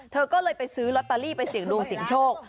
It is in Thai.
เธอก็เลยไปซื้อลอตเตอรี่ไปเสี่ยงดวงเสี่ยงโชค